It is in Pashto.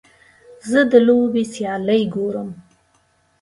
زه د لوبې سیالۍ ګورم.